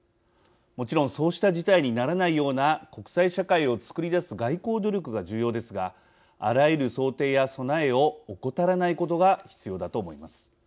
もちろんそうした事態にならないような国際社会をつくり出す外交努力が重要ですがあらゆる想定や備えを怠らないことが必要だと思います。